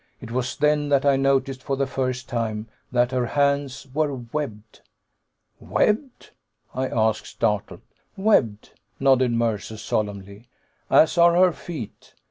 It was then that I noticed for the first time that her hands were webbed!" "Webbed?" I asked, startled. "Webbed," nodded Mercer solemnly. "As are her feet.